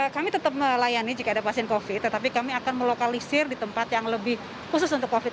kami tetap melayani jika ada pasien covid tetapi kami akan melokalisir di tempat yang lebih khusus untuk covid sembilan belas